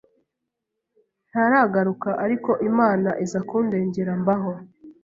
ntaragaruka ariko Imana iza kundengera mbaho